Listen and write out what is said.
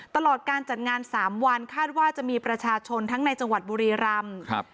ตลอดการจัดงาน๓วันคาดว่าจะมีประชาชนทั้งในจังหวัดบุรีรำครับ